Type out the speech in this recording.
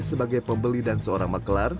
sebagai pembeli dan seorang maklar